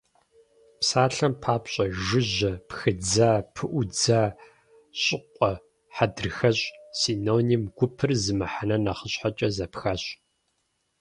Псалъэм папщӏэ, жыжьэ, пхыдза, пыӀудза, щӀыкъуэ, хьэдрыхэщӀ – синоним гупыр зы мыхьэнэ нэхъыщхьэкӀэ зэпхащ.